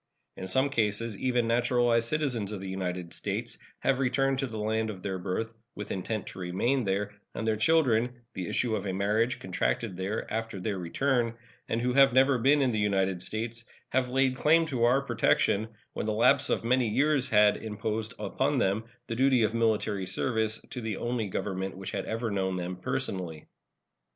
In some cases even naturalized citizens of the United States have returned to the land of their birth, with intent to remain there, and their children, the issue of a marriage contracted there after their return, and who have never been in the United States, have laid claim to our protection when the lapse of many years had imposed upon them the duty of military service to the only government which had ever known them personally.